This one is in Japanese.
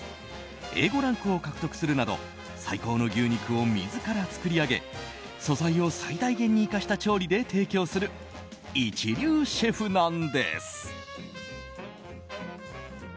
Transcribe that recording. Ａ５ランクを獲得するなど最高の牛肉を自ら作り上げ素材を最大限に生かした調理で提供する、一流シェフなんです。